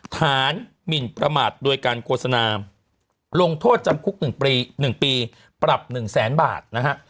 ฐานหมินประมาทโดยการโฆษณาลงโทษจำคุก๑ปีปรับ๑แสนบาทนะฮะ